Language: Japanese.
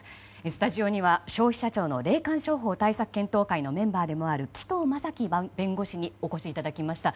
スタジオには消費者庁の霊感商法対策検討会のメンバーでもある紀藤正樹弁護士にお越しいただきました。